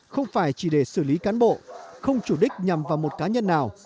không phải chỉ để xử lý cán bộ không chủ đích nhằm vào một cá nhân nào